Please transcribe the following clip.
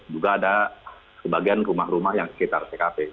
juga ada sebagian rumah rumah yang sekitar tkp